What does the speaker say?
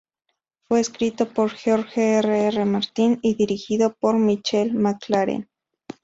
Fue escrito por George R. R. Martin y dirigido por Michelle MacLaren.